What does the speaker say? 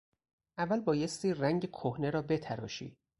اول بایستی رنگ کهنه را بتراشی!